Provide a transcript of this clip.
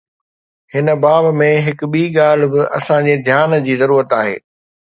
هن باب ۾ هڪ ٻي ڳالهه به اسان جي ڌيان جي ضرورت آهي.